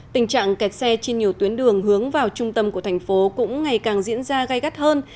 tình trạng kẹt xe trên nhiều tuyến đường hướng vào trung tâm của thành phố cũng ngày càng diễn ra gai gắt hơn